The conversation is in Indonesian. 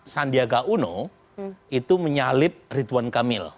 sandiaga uno itu menyalip ridwan kamil